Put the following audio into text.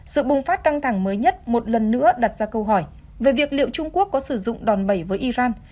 sự bùng phát căng thẳng mới nhất một lần nữa đặt ra câu hỏi về việc liệu trung quốc có sử dụng đòn bẩy với iran